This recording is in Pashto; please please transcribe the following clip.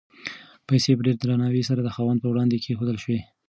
پیسې په ډېر درناوي سره د خاوند په وړاندې کېښودل شوې.